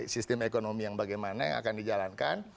sistem ekonomi yang bagaimana yang akan dijalankan